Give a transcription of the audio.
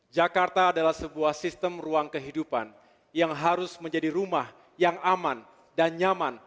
jakarta adalah sebuah sistem ruang kehidupan yang harus menjadi rumah yang aman dan nyaman